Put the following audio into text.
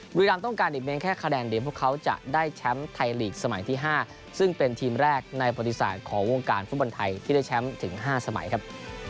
บุรีรำต้องการอีกเพียงแค่คะแนนเดียวพวกเขาจะได้แชมป์ไทยลีกสมัยที่๕ซึ่งเป็นทีมแรกในประวัติศาสตร์ของวงการฟุตบอลไทยที่ได้แชมป์ถึง๕สมัยครับ